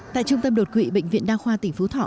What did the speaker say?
tại trung tâm đột quỵ bệnh viện đa khoa tỉnh phú thọ